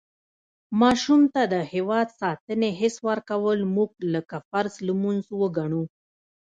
ماشوم ته د هېواد ساتنې حس ورکول مونږ لکه فرض لمونځ وګڼو.